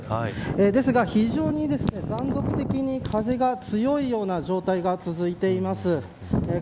ですが、非常に断続的に風が強いような状態が続いています。